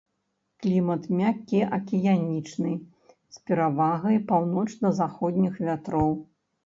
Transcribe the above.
Клімат мяккі акіянічны з перавагай паўночна-заходніх вятроў.